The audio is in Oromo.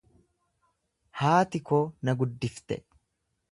Haati koo na guddifte.